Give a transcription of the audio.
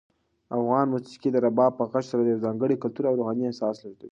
افغاني موسیقي د رباب په غږ سره یو ځانګړی کلتوري او روحاني احساس لېږدوي.